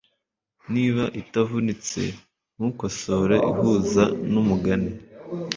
niba itavunitse, ntukosore ihuza numugani